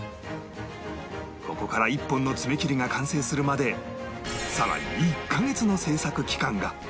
ここから一本の爪切りが完成するまでさらに１カ月の製作期間が！